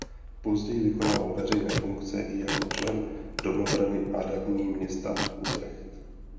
Později vykonával veřejné funkce i jako člen domobrany a radní města Utrecht.